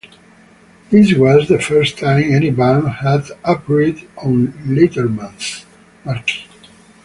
This was the first time any band had appeared on Letterman's marquee.